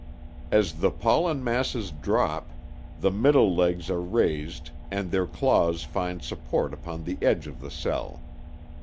As the pollen masses drop, the middle legs are raised and their claws find support upon the edge of the cell.